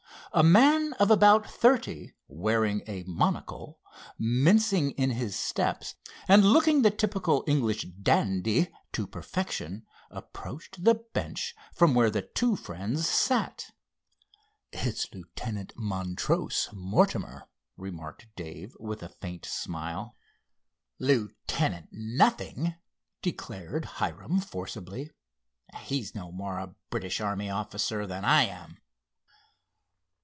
A man of about thirty, wearing a monocle, mincing in his steps and looking the typical English "dandy" to perfection, approached the bench where the two friends sat. "It's Lieutenant Montrose Mortimer," remarked Dave with a faint smile. "Lieutenant nothing!" declared Hiram forcibly. "He's no more a British army officer than I am."